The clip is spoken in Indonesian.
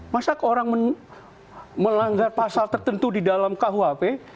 masa orang melanggar pasal tertentu di dalam kuhp